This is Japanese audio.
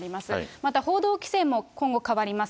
また報道規制も今後変わります。